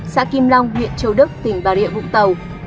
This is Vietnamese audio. xã kim long huyện châu đức tỉnh bà rịa vũng tàu